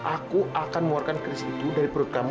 aku akan mengeluarkan kris itu dari perut kamu